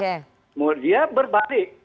kemudian dia berbalik